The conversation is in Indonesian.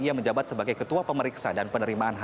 ia menjabat sebagai ketua pemeriksa dan penerimaan